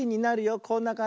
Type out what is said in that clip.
こんなかんじ。